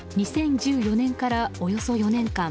２０１４年からおよそ４年間